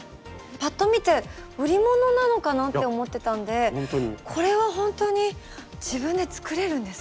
パッと見て売り物なのかなって思ってたんでこれはほんとに自分で作れるんですか？